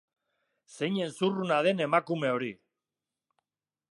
Zeinen zurruna den emakume hori!